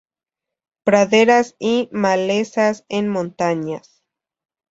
Praderas y malezas en montañas.